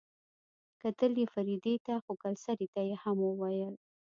کتل يې فريدې ته خو کلسري ته يې هم وويل.